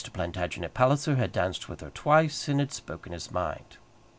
Plantagenet Palliser had danced with her twice, and had spoken his mind.